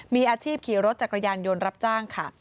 มีอาชีพขี่รถจักรยานยนต์รับจ้างค่ะ